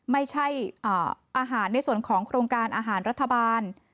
ไม่ใช่อาหารในส่วนของโครงการอาหารรัฐบาล